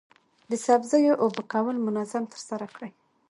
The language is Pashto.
د سبزیو اوبه کول منظم ترسره کړئ.